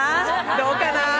どうかな？